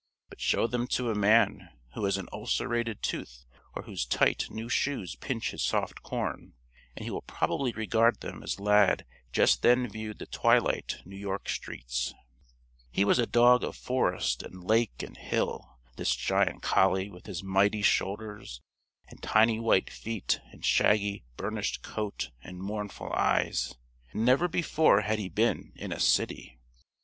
But show them to a man who has an ulcerated tooth, or whose tight, new shoes pinch his soft corn, and he will probably regard them as Lad just then viewed the twilight New York streets. He was a dog of forest and lake and hill, this giant collie with his mighty shoulders and tiny white feet and shaggy burnished coat and mournful eyes. Never before had he been in a city.